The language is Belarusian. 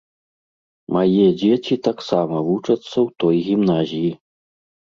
Мае дзеці таксама вучацца ў той гімназіі.